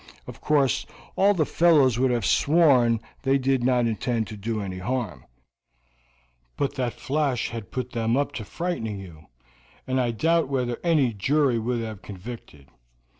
Of course, all the fellows would have sworn that they did not intend to do any harm, but that Flash had put them up to frightening you, and I doubt whether any jury would have convicted.